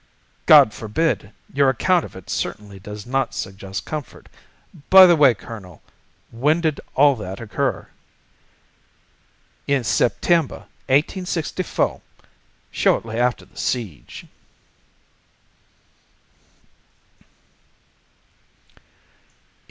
"God forbid! Your account of it certainly does not suggest comfort. By the way, Colonel, when did all that occur?" "In September, 1864—shortly after the siege."